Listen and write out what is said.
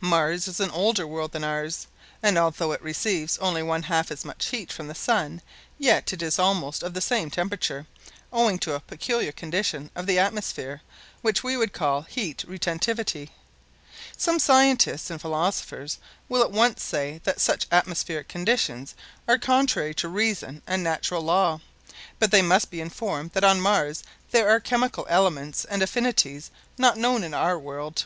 Mars is an older world than ours, and although it receives only one half as much heat from the sun yet it is almost of the same temperature, owing to a peculiar condition of the atmosphere which we would call "heat retentivity." Some scientists and philosophers will at once say that such atmospheric conditions are contrary to reason and natural law, but they must be informed that on Mars there are chemical elements and affinities not known in our world.